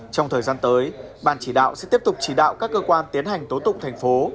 trong thời gian tới ban chỉ đạo sẽ tiếp tục chỉ đạo các cơ quan tiến hành tố tụng thành phố